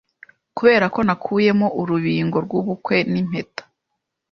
Kuberako nakuyemo urubingo Rwubukwe nimpeta